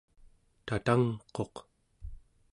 tatangquq